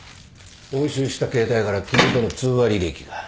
押収した携帯から君との通話履歴が。